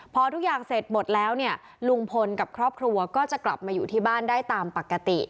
พอทุกอย่างเสร็จหมดแล้วเนี่ยลุงพลกับครอบครัวก็จะกลับมาอยู่ที่บ้านได้ตามปกติ